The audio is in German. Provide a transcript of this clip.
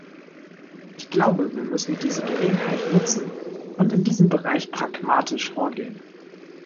Ich glaube, wir müssen diese Gelegenheit nutzen und in diesem Bereich pragmatisch vorgehen.